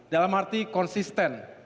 dalam arti konsisten